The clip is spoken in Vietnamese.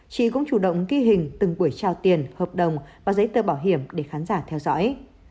chị cũng chủ động ghi hình từng buổi trao tiền hợp đồng và giấy tờ bảo hiểm để khán giả theo dõi